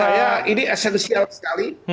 ya bagi saya ini esensial sekali